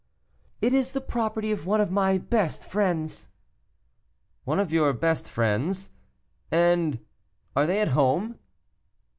"It is the property of one of my best friends." "One of your best friends, and are they at home?"